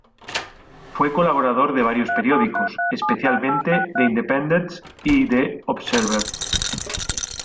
Fue colaborador de varios periódicos, especialmente The independent y The Observer.